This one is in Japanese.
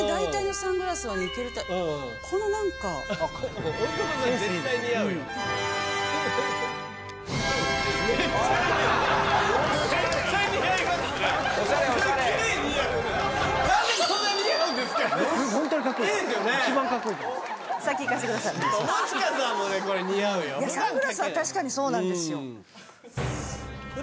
サングラスは確かにそうなんですよ。